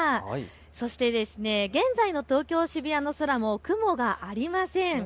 そして現在の東京渋谷の空も雲がありません。